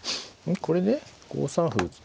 これで５三歩打つと。